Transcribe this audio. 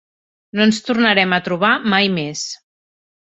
No ens tornarem a trobar mai més.